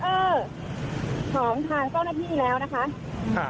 เออของทางเจ้าหน้าที่แล้วนะคะ